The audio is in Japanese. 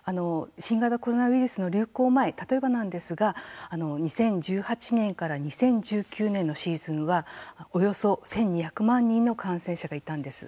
新型コロナウイルスの流行前、例えばなんですが２０１８から２０１９年のシーズンはおよそ１２００万人の感染者がいたんです。